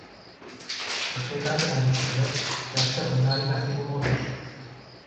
Ώστε έκανα τον ανήξερο, και άφησα τον Άλη να φύγει μόνος.